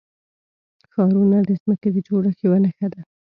ښارونه د ځمکې د جوړښت یوه نښه ده.